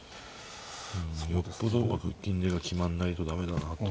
うんよっぽどうまく金出が決まんないと駄目だなと。